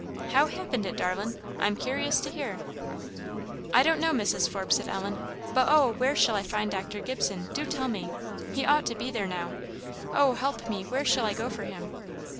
How happened it, darlin'? I'm cur'ous to hear." "I don't know, Mrs. Forbes," said Ellen, "but oh, where shall I find Dr. Gibson? Do tell me! he ought to be there now; oh, help me! where shall I go for him?"